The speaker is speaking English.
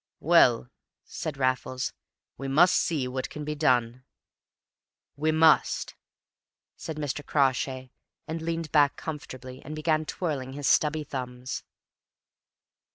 "Well," said Raffles, "we must see what can be done." "We must," said Mr. Crawshay, and leaned back comfortably, and began twirling his stubby thumbs.